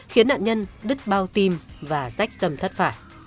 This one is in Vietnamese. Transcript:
khiến nạn nhân đứt bao tim và rách tầm thất phả